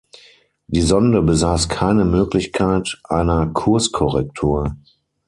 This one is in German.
Die Sonde besaß keine Möglichkeit einer Kurskorrektur.